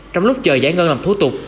trong lúc chờ giải ngân làm thú tục